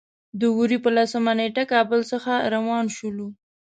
د وري په لسمه نېټه کابل څخه روان شولو.